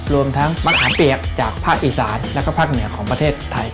รวมทั้งมะขามเปียกจากภาคอีสานแล้วก็ภาคเหนือของประเทศไทย